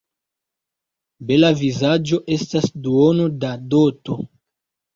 Bela vizaĝo estas duono da doto.